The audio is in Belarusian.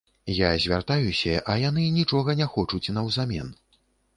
Я звяртаюся, а яны нічога не хочуць наўзамен.